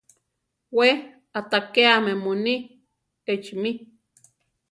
We aʼtakéame muní echi mí.